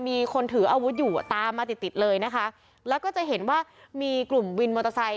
มีคนถืออาวุธอยู่ตามมาติดติดเลยนะคะแล้วก็จะเห็นว่ามีกลุ่มวินมอเตอร์ไซค